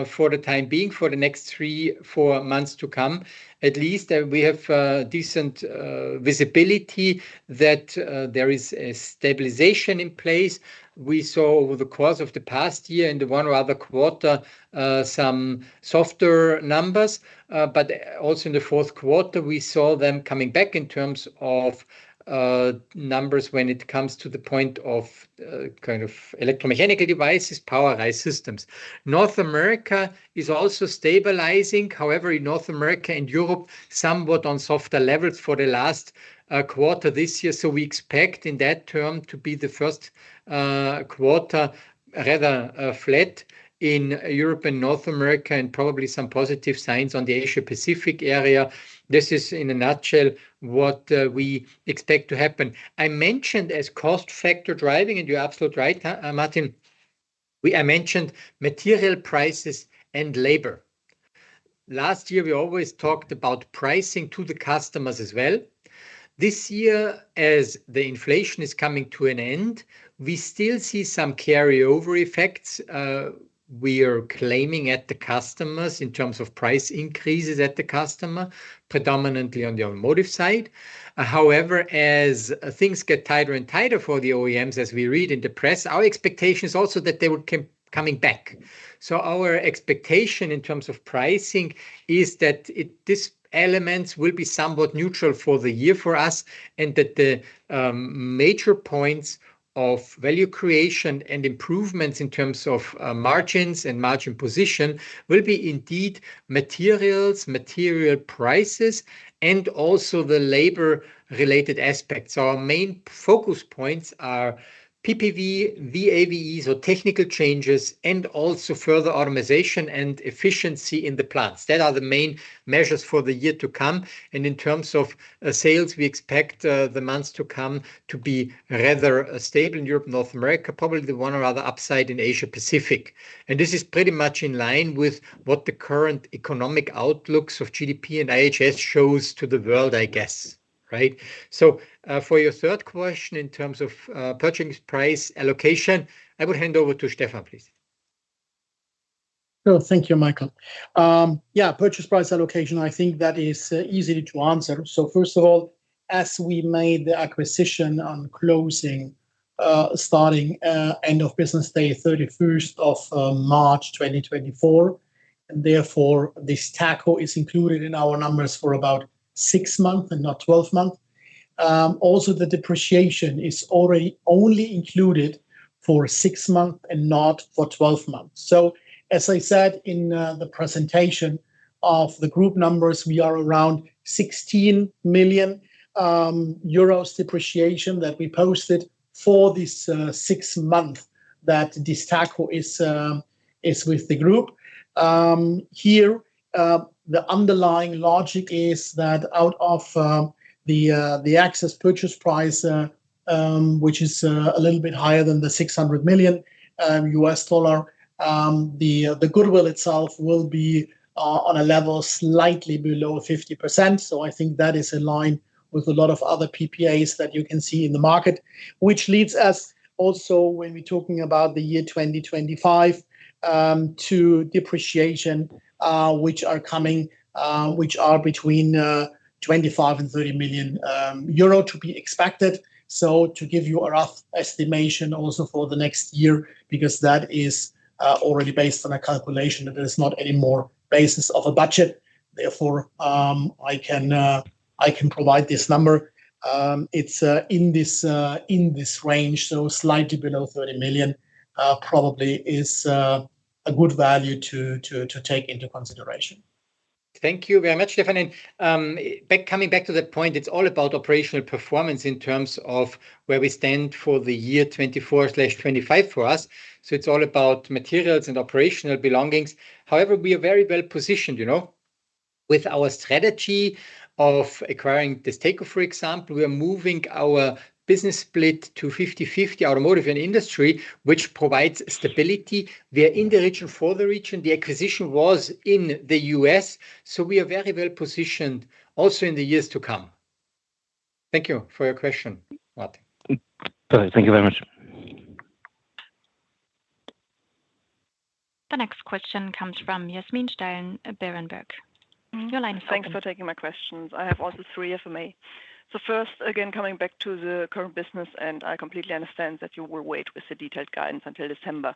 for the time being, for the next three, four months to come, at least. We have decent visibility that there is a stabilization in place. We saw over the course of the past year in the one or other quarter some softer numbers. But also in the fourth quarter, we saw them coming back in terms of numbers when it comes to the point of kind of electromechanical devices, POWERISE systems. North America is also stabilizing. However, in North America and Europe, somewhat on softer levels for the last quarter this year. So we expect in that term to be the first quarter rather flat in Europe and North America and probably some positive signs on the Asia-Pacific area. This is, in a nutshell, what we expect to happen. I mentioned as cost factor driving, and you're absolutely right, Martin. I mentioned material prices and labor. Last year, we always talked about pricing to the customers as well. This year, as the inflation is coming to an end, we still see some carryover effects. We are claiming at the customers in terms of price increases at the customer, predominantly on the automotive side. However, as things get tighter and tighter for the OEMs, as we read in the press, our expectation is also that they will come back. So our expectation in terms of pricing is that these elements will be somewhat neutral for the year for us and that the major points of value creation and improvements in terms of margins and margin position will be indeed materials, material prices, and also the labor-related aspects. Our main focus points are PPV, VAVEs, or technical changes, and also further automation and efficiency in the plants. That are the main measures for the year to come. And in terms of sales, we expect the months to come to be rather stable in Europe, North America, probably the one or other upside in Asia-Pacific. And this is pretty much in line with what the current economic outlooks of GDP and IHS shows to the world, I guess, right? So for your third question in terms of purchase price allocation, I would hand over to Stefan, please. Thank you, Michael. Yeah, purchase price allocation, I think that is easy to answer. So first of all, as we made the acquisition on closing starting end of business day 31st of March 2024, and therefore this Destaco is included in our numbers for about six months and not 12 months. Also, the depreciation is already only included for six months and not for 12 months. So as I said in the presentation of the group numbers, we are around 16 million euros depreciation that we posted for this six months that this Destaco is with the group. Here, the underlying logic is that out of the excess purchase price, which is a little bit higher than the $600 million, the goodwill itself will be on a level slightly below 50%. I think that is in line with a lot of other PPAs that you can see in the market, which leads us also when we're talking about the year 2025 to depreciation, which are coming, which are between 25 million and 30 million euro to be expected. To give you a rough estimation also for the next year, because that is already based on a calculation that is not any more the basis of a budget. Therefore, I can provide this number. It's in this range, so slightly below 30 million probably is a good value to take into consideration. Thank you very much, Stefan. Coming back to that point, it's all about operational performance in terms of where we stand for the year 24/25 for us. It's all about materials and operational leveraging. However, we are very well positioned with our strategy of acquiring this takeover, for example. We are moving our business split to 50/50 automotive and industry, which provides stability. We are in the region for the region. The acquisition was in the U.S., so we are very well positioned also in the years to come. Thank you for your question, Martin. Thank you very much. The next question comes from Yasmin Steilen, Berenberg. Your line is open. Thanks for taking my questions. I have also three questions. So first, again, coming back to the current business, and I completely understand that you will wait with the detailed guidance until December.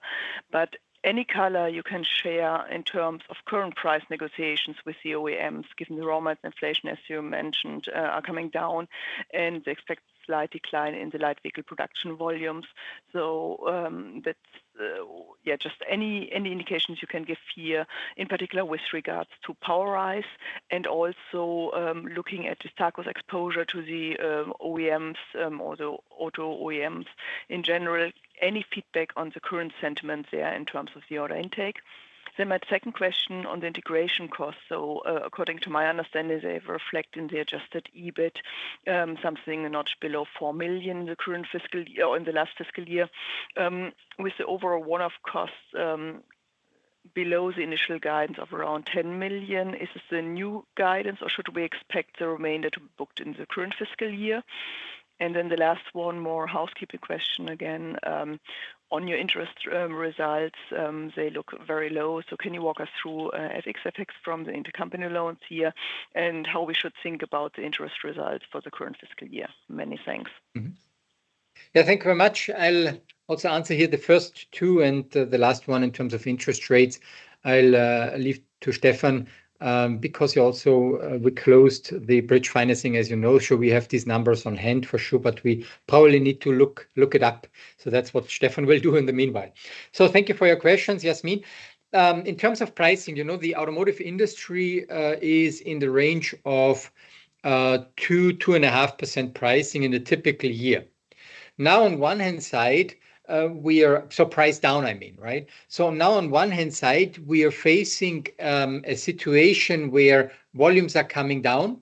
But any color you can share in terms of current price negotiations with the OEMs, given the raw material inflation, as you mentioned, are coming down and they expect a slight decline in the light vehicle production volumes. So yeah, just any indications you can give here, in particular with regards to POWERISE and also looking at Stabilus's exposure to the OEMs, also auto OEMs in general, any feedback on the current sentiment there in terms of the order intake. Then my second question on the integration costs. So according to my understanding, they reflect in the adjusted EBIT something not below 4 million in the current fiscal year or in the last fiscal year, with the overall one-off costs below the initial guidance of around 10 million. Is this the new guidance, or should we expect the remainder to be booked in the current fiscal year? And then the last one more housekeeping question again on your interest results. They look very low. So can you walk us through FX effects from the intercompany loans here and how we should think about the interest results for the current fiscal year? Many thanks. Yeah, thank you very much. I'll also answer here the first two and the last one in terms of interest rates. I'll leave it to Stefan because also we closed the bridge financing, as you know. So we have these numbers on hand for sure, but we probably need to look it up. So that's what Stefan will do in the meanwhile. So thank you for your questions, Yasmin. In terms of pricing, the automotive industry is in the range of 2%-2.5% pricing in a typical year. Now, on one hand side, we are so priced down, I mean, right? So now on one hand side, we are facing a situation where volumes are coming down.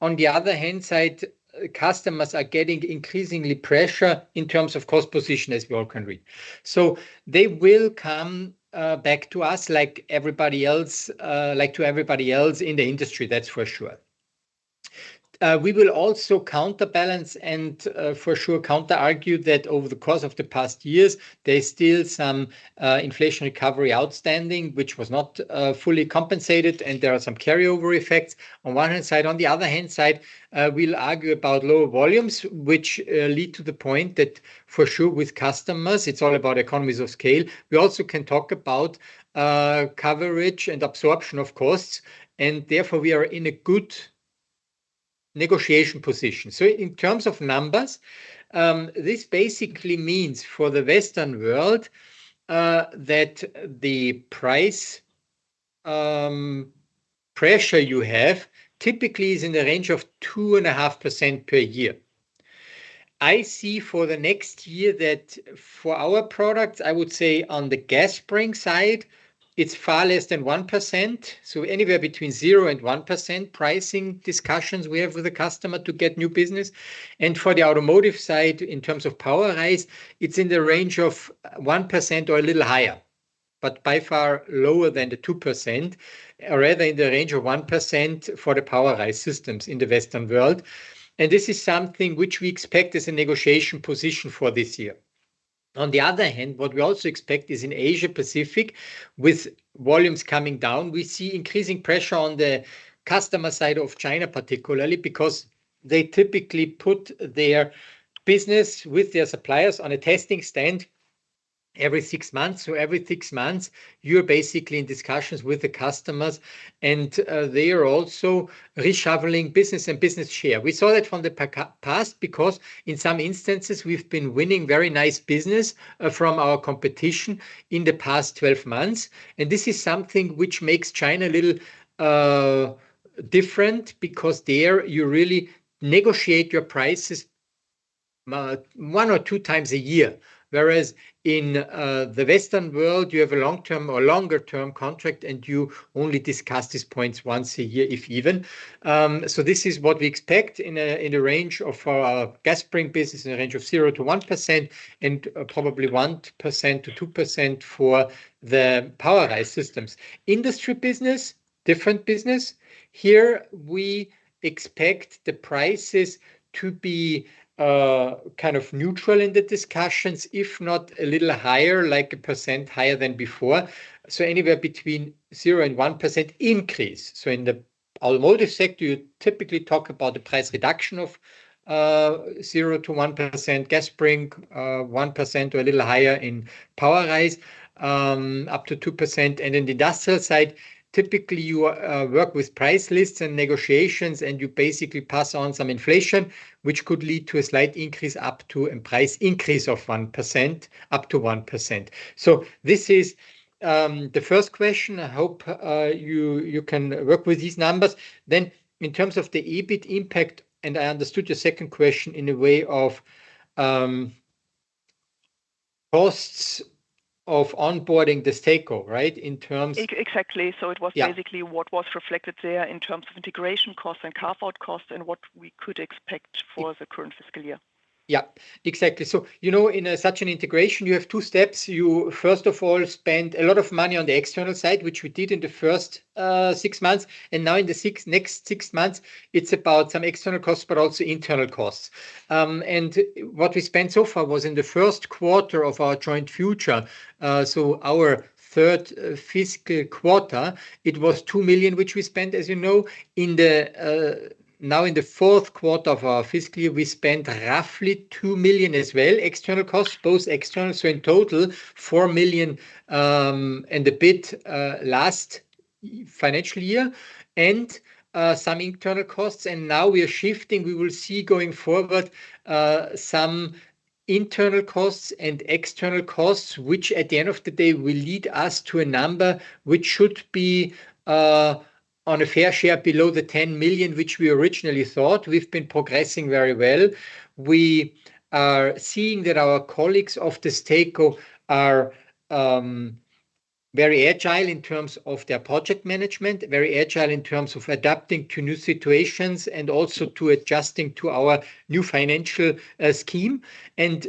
On the other hand, customers are getting increasing pressure in terms of cost position, as we all can read. So they will come back to us like everybody else, like to everybody else in the industry, that's for sure. We will also counterbalance and for sure counter-argue that over the course of the past years, there's still some inflation recovery outstanding, which was not fully compensated, and there are some carryover effects on one hand. On the other hand, we'll argue about lower volumes, which lead to the point that for sure with customers, it's all about economies of scale. We also can talk about coverage and absorption of costs, and therefore we are in a good negotiation position. So in terms of numbers, this basically means for the Western world that the price pressure you have typically is in the range of 2.5% per year. I see for the next year that for our products, I would say on the gas spring side, it's far less than 1%. So anywhere between 0% and 1% pricing discussions we have with the customer to get new business. And for the automotive side, in terms of POWERISE, it's in the range of 1% or a little higher, but by far lower than the 2%, rather in the range of 1% for the POWERISE systems in the Western world. And this is something which we expect as a negotiation position for this year. On the other hand, what we also expect is in Asia-Pacific, with volumes coming down, we see increasing pressure on the customer side of China, particularly because they typically put their business with their suppliers on a testing stand every six months. Every six months, you're basically in discussions with the customers, and they are also reshuffling business and business share. We saw that from the past because in some instances, we've been winning very nice business from our competition in the past 12 months. And this is something which makes China a little different because there you really negotiate your prices one or two times a year, whereas in the Western world, you have a long-term or longer-term contract, and you only discuss these points once a year, if even. So this is what we expect in the range of our gas spring business, in the range of 0%-1% and probably 1%-2% for the POWERISE systems. Industry business, different business. Here we expect the prices to be kind of neutral in the discussions, if not a little higher, like a percent higher than before. So anywhere between 0% and 1% increase. So in the automotive sector, you typically talk about the price reduction of 0%-1%, gas spring 1% or a little higher in power rise, up to 2%. And in the industrial side, typically you work with price lists and negotiations, and you basically pass on some inflation, which could lead to a slight increase up to a price increase of 1% up to 1%. So this is the first question. I hope you can work with these numbers. Then in terms of the EBIT impact, and I understood your second question in a way of costs of onboarding Destaco, right? In terms of exactly. So it was basically what was reflected there in terms of integration costs and carve-out costs and what we could expect for the current fiscal year. Yeah, exactly. You know in such an integration, you have two steps. You first of all spend a lot of money on the external side, which we did in the first six months. Now in the next six months, it is about some external costs, but also internal costs. What we spent so far was in the first quarter of our joint future. Our third fiscal quarter, it was 2 million, which we spent, as you know. In the fourth quarter of our fiscal year, we spent roughly 2 million as well, external costs, both external. In total, 4 million and a bit last financial year and some internal costs. Now we are shifting. We will see going forward some internal costs and external costs, which at the end of the day will lead us to a number which should be on a fair share below the 10 million, which we originally thought. We've been progressing very well. We are seeing that our colleagues of Destaco are very agile in terms of their project management, very agile in terms of adapting to new situations and also to adjusting to our new financial scheme, and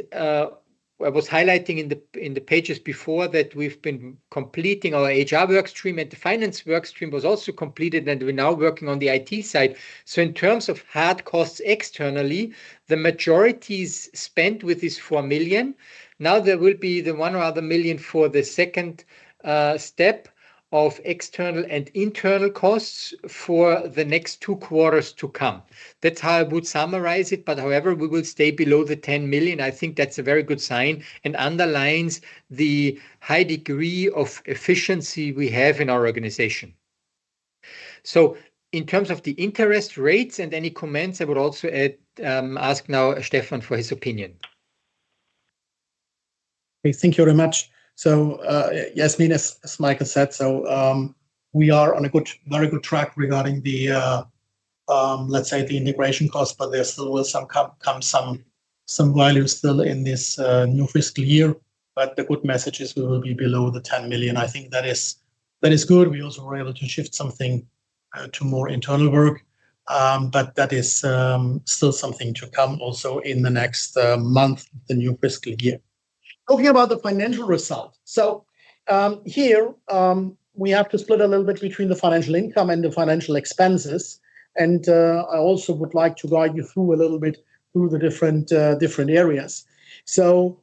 I was highlighting in the pages before that we've been completing our HR workstream, and the finance workstream was also completed, and we're now working on the IT side, so in terms of hard costs externally, the majority is spent with this 4 million. Now there will be the one or other million for the second step of external and internal costs for the next two quarters to come. That's how I would summarize it, but however, we will stay below the 10 million. I think that's a very good sign and underlines the high degree of efficiency we have in our organization. In terms of the integration and any comments, I would also ask now Stefan for his opinion. Thank you very much, Yasmin. As Michael said, we are on a very good track regarding the, let's say, the integration costs, but there still will come some more still in this new fiscal year. The good message is we will be below the 10 million. I think that is good. We also were able to shift something to more internal work, but that is still something to come also in the next month, the new fiscal year. Talking about the financial result, so here we have to split a little bit between the financial income and the financial expenses. And I also would like to guide you through a little bit through the different areas. So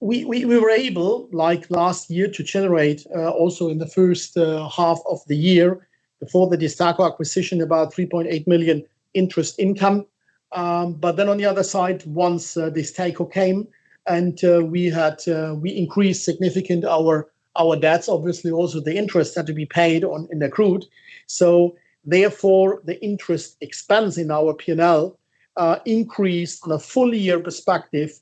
we were able, like last year, to generate also in the first half of the year before the Destaco acquisition about 3.8 million interest income. But then on the other side, once this takeover came and we increased significantly our debts, obviously also the interest had to be paid on incurred. So therefore, the interest expense in our P&L increased on a full year perspective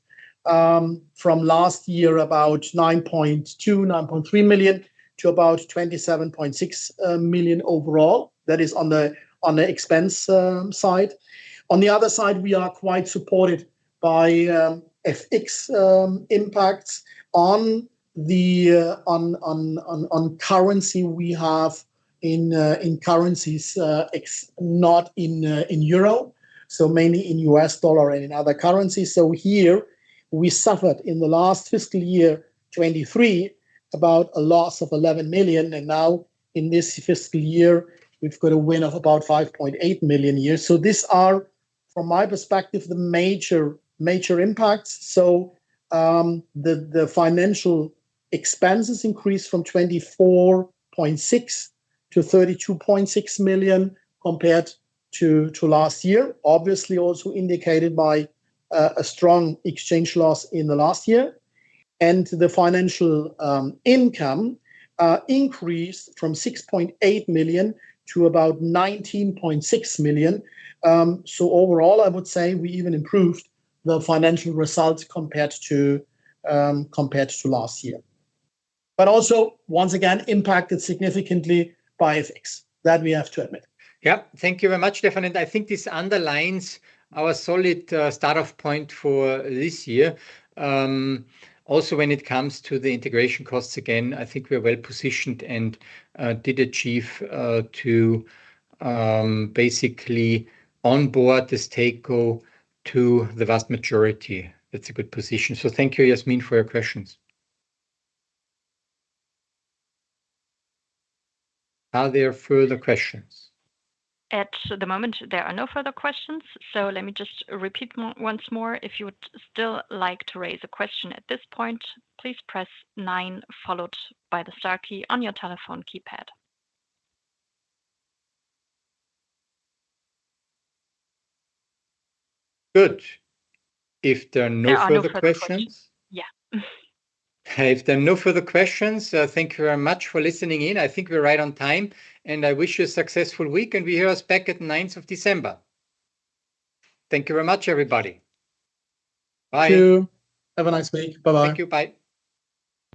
from last year about 9.2-9.3 million to about 27.6 million overall. That is on the expense side. On the other side, we are quite supported by FX impacts on the currency we have in currencies, not in euro, so mainly in US dollar and in other currencies, so here we suffered in the last fiscal year 2023 about a loss of 11 million. And now in this fiscal year, we've got a win of about 5.8 million euros. So these are, from my perspective, the major impacts. So the financial expenses increased from 24.6 million to 32.6 million compared to last year, obviously also indicated by a strong exchange loss in the last year. And the financial income increased from 6.8 million to about 19.6 million. So overall, I would say we even improved the financial results compared to last year. But also, once again, impacted significantly by FX, that we have to admit. Yeah, thank you very much, Stefan. And I think this underlines our solid start-off point for this year. Also when it comes to the integration costs, again, I think we are well positioned and did achieve to basically onboard this takeover to the vast majority. That's a good position. o thank you, Yasmin, for your questions. Are there further questions? At the moment, there are no further questions. So let me just repeat once more. If you would still like to raise a question at this point, please press 9 followed by the star key on your telephone keypad. Good. If there are no further questions. Yeah. If there are no further questions, thank you very much for listening in. I think we're right on time. And I wish you a successful week. And we hear us back at the 9th of December. Thank you very much, everybody. Bye. Thank you. Have a nice week. Bye-bye. Thank you. Bye.